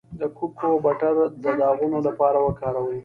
د کوکو بټر د داغونو لپاره وکاروئ